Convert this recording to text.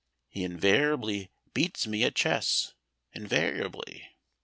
He invariably beats me at chess, invariably.